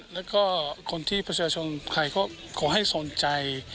แล้วก็คนที่ประชาชนใครก็ขอให้สนใจ